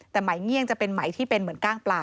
แต่ไหมเงี่ยงจะเป็นไหมที่เป็นเหมือนกล้างปลา